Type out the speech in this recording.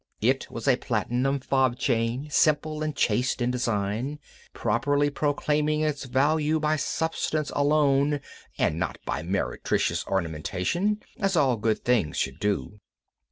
It was a platinum fob chain simple and chaste in design, properly proclaiming its value by substance alone and not by meretricious ornamentation—as all good things should do.